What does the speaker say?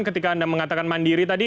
ketika anda mengatakan mandiri tadi